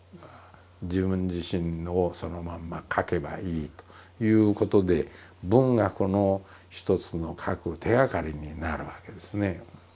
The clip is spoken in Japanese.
自分自身のそのまんま書けばいいということで文学の一つの書く手がかりになるわけですね。